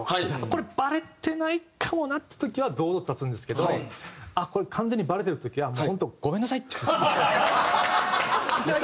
これバレてないかもなって時は堂々と立つんですけどこれ完全にバレてるって時は「本当ごめんなさい」って言うんです。